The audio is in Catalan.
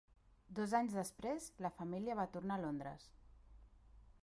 Dos anys després la família va tornar a Londres.